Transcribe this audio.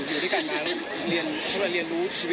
ต้องขายงานได้